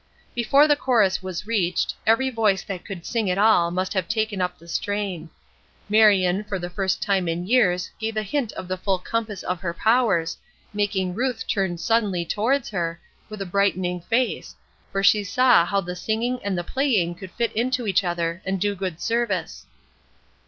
Before the chorus was reached, every voice that could sing at all must have taken up the strain. Marion, for the first time in years gave a hint of the full compass of her powers, making Ruth turn suddenly towards her, with a brightening face, for she saw how the singing and the playing could fit into each other, and do good service.